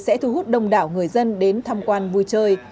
sẽ thu hút đông đảo người dân đến tham quan vui chơi